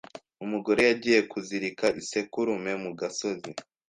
Umugore yagiye kuzirika isekurume mu gasozi,